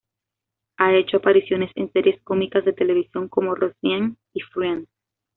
Ha hecho apariciones en series cómicas de televisión como "Roseanne" y "Friends".